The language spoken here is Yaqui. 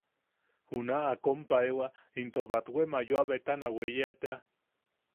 Juna a kompaewa into batwe mayoa betana weye tea.